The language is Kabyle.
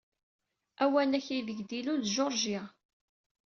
Awanak aydeg d-ilul d Georgia.